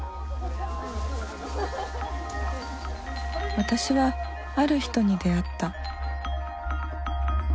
私はある人に出会った。